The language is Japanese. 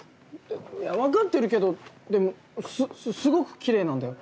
いや分かってるけどでもすすごくきれいなんだよ。